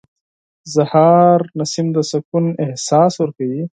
• د سهار نسیم د سکون احساس ورکوي.